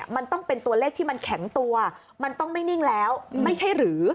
มันต้องเป็นตัวเลขที่มันแข็งตัวมันต้องไม่นิ่งแล้วไม่ใช่หรือ